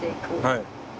はい。